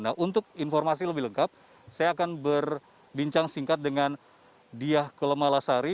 nah untuk informasi lebih lengkap saya akan berbincang singkat dengan diah kelemalasari